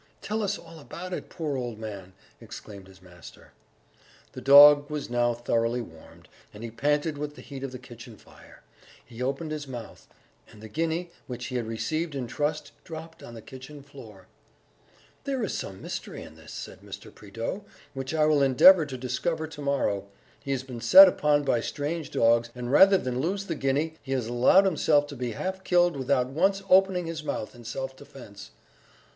Tell us all about it, poor old man!" exclaimed his master. The dog was now thoroughly warmed, and he panted with the heat of the kitchen fire; he opened his mouth, ... and the guinea which he had received in trust dropped on the kitchen floor!... "There is some mystery in this," said Mr. Prideaux, "which I will endeavour to discover to morrow.... He has been set upon by strange dogs, and rather than lose the guinea, he has allowed himself to be half killed without once opening his mouth in self defence!